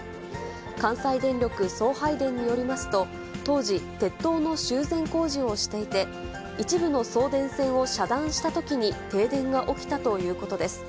関西電力送配電によりますと、当時、鉄塔の修繕工事をしていて、一部の送電線を遮断したときに停電が起きたということです。